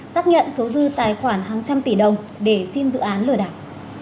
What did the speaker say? xác nhận số dư tài khoản hàng trăm tỷ đồng để xin dự án lửa đảng